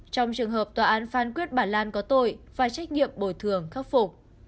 trong trường hợp tòa án phán quyết bà lan có tội phải trách nhiệm bồi thường khắc phục